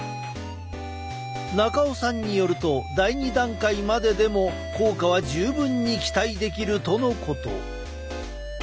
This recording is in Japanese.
中尾さんによると第２段階まででも効果は十分に期待できるとのこと。